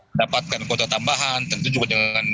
mendapatkan kuota tambahan tentu juga dengan